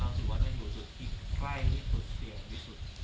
น้องสิวะน่าอยู่ที่ใกล้ที่สุดเสี่ยงที่สุด